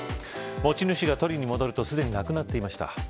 持ち主が取りに戻るとすでになくなっていました。